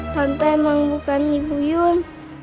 tante emang bukan ibu yun